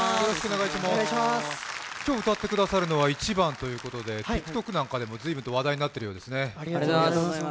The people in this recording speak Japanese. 今日歌ってくださるのは「ｉｃｈｉｂａｎ」ということでＴｉｋＴｏｋなどでもずいぶん話題になっているそうですね。